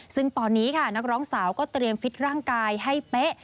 ซึ่งตอนนี้ค่ะนักร้องสาวก็เตรียมฟิตร่างกายให้เป๊ะ